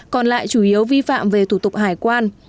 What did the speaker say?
còn lại chủ yếu vi phạm về thủ tục hải quan